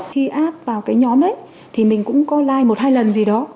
khi ad vào cái nhóm đấy thì mình cũng có like một hai lần gì đó